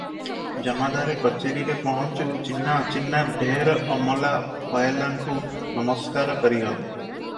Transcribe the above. ଜମାଦାରେ କଚେରିରେ ପହୁଞ୍ଚି ଚିହ୍ନା ଅଚିହ୍ନା ଢେର ଅମଲା ଫଏଲାଙ୍କୁ ନମସ୍କାର କରିଗଲେ ।